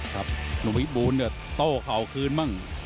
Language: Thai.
หนุ่มพิบูลเนี่ยโต้เข่าคืนบ้าง